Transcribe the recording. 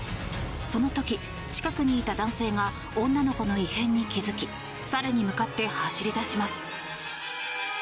その時、近くにいた男性が女の子の異変に気付き猿に向かって走り出します。